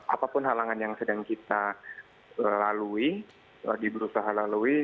apapun halangan yang sedang kita lalui lagi di berusaha lalui